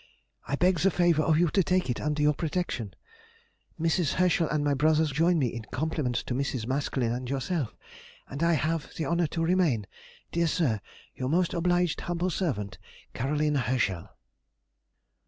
I beg the favour of you to take it under your protection. Mrs. Herschel and my brothers join with me in compliments to Mrs. Maskelyne and yourself, and I have the honour to remain, Dear sir, Your most obliged, humble servant, CAROLINA HERSCHEL.